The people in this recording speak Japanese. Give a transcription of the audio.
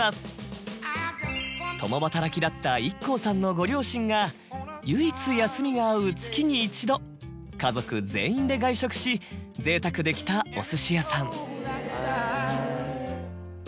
共働きだったＩＫＫＯさんのご両親が唯一休みが合う月に一度家族全員で外食しぜいたくできたお寿司屋さん。